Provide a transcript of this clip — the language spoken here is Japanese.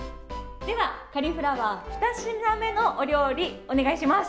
カリフラワー、２品目のお料理お願いします。